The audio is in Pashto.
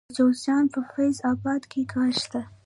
د جوزجان په فیض اباد کې ګاز شته.